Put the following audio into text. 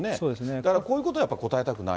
だからこういうことはやっぱり答えたくない。